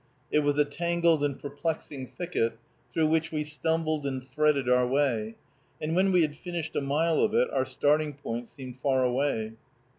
It was a tangled and perplexing thicket, through which we stumbled and threaded our way, and when we had finished a mile of it, our starting point seemed far away.